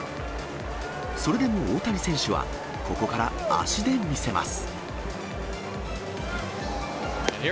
それでも大谷選手は、ここから足で見せます。